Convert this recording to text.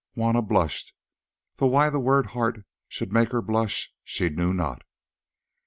Juanna blushed, though why the word "heart" should make her blush she knew not.